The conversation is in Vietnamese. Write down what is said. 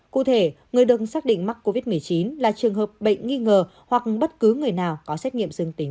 cụ thể người được xác định mắc covid một mươi chín là trường hợp bệnh nghi ngờ hoặc bất cứ người nào có xét nghiệm dương tính